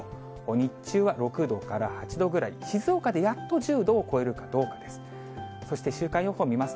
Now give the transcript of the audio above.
日中は６度から８度ぐらい、静岡でやっと１０度を超えるかどうかです。